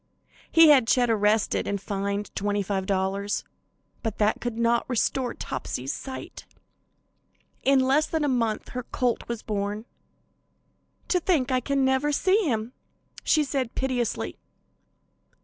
He had Chet arrested and fined $25, but that could not restore Topsy's sight. In less than a month her colt was born. "To think I can never see him," she said piteously.